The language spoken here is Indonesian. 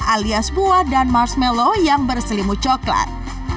alias buah dan marshmallow yang berselimut coklat